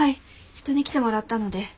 人に来てもらったので。